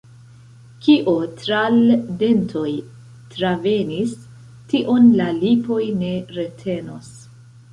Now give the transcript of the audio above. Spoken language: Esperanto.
Kio tra l' dentoj travenis, tion la lipoj ne retenos.